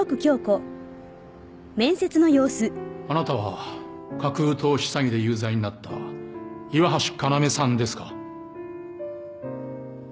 あなたは架空投資詐欺で有罪になった岩橋要さんですか？